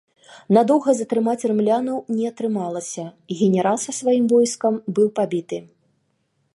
Надоўга затрымаць рымлянаў не атрымалася, генерал са сваім войскам быў пабіты.